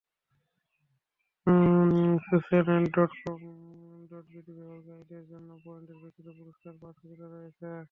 Socialnet dot com dot BD ব্যবহারকারীদের জন্য পয়েন্টের ভিত্তিতে পুরস্কার পাওয়ার সুবিধাও রয়েছে।